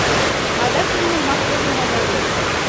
Адак нимомат возен омыл вет.